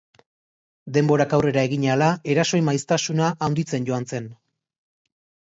Denborak aurrera egin ahala, erasoen maiztasuna handitzen joan zen.